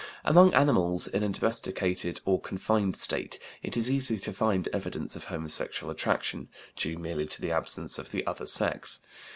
Among animals in a domesticated or confined state it is easy to find evidence of homosexual attraction, due merely to the absence of the other sex.